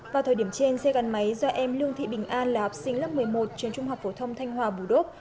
vào thời điểm trên xe gắn máy do em lương thị bình an là học sinh lớp một mươi một trường trung học phổ thông thanh hòa bù đốt